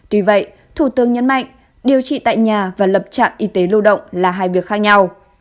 tuy vậy thủ tướng nhấn mạnh điều trị tại nhà và lập trạm y tế lưu động là hai việc khác nhau